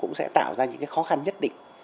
cũng sẽ tạo ra những cái khó khăn nhất định